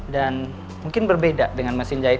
dan mungkin berbeda dengan mesin jahit